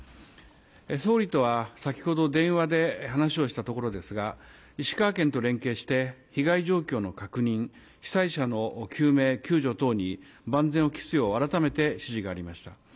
総理とは先ほど電話で話をしたところですが、石川県と連携して、被害状況の確認、被災者の救命救助等に万全を期すよう、改めて指示がありました。